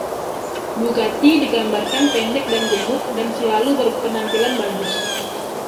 Bugatti digambarkan pendek dan gemuk, dan selalu berpenampilan bagus.